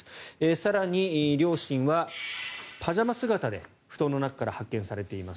更に、両親はパジャマ姿で布団の中から発見されています。